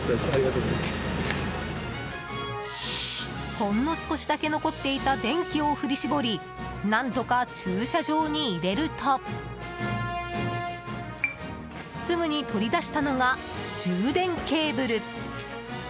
ほんの少しだけ残っていた電気を振り絞り何とか駐車場に入れるとすぐに取り出したのが充電ケーブル。